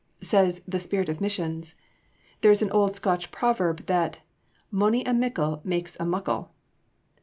Says The Spirit of Missions: "There is an old Scotch proverb that 'Mony a mickle maks a muckle.